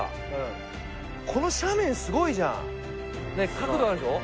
角度あるでしょ？